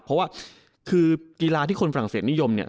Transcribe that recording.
เฟเกียราที่คนฝั่งเศสนิยมเนี่ย